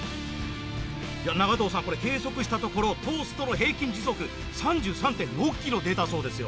長藤さんこれ計測したところトーストの平均時速３３．６キロ出たそうですよ。